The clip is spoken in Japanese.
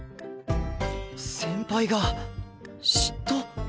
先輩が嫉妬？